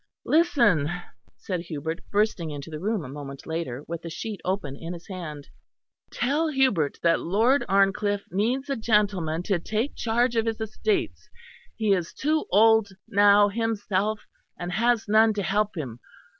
"Listen," said Hubert, bursting into the room a moment later with the sheet open in his hand. "'Tell Hubert that Lord Arncliffe needs a gentleman to take charge of his estates; he is too old now himself, and has none to help him.